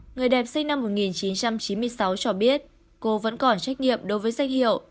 người đẹp sinh năm một nghìn chín trăm chín mươi sáu cho biết cô vẫn còn trách nhiệm đối với danh hiệu